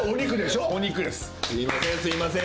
すいませんすいません